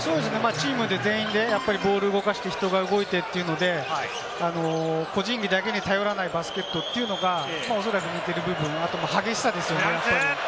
チーム全員でボールを動かして、人が動いて個人技だけに頼らないバスケットというのが、おそらく似ている部分、この激しさもですよね。